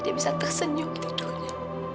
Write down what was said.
dia bisa tersenyum tidurnya